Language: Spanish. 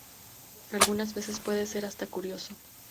Algunas veces puede ser hasta curioso.